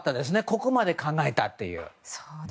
ここまで考えたという。